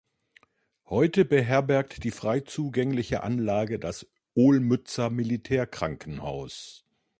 Heute beherbergt die frei zugängliche Anlage das Olmützer Militärkrankenhaus.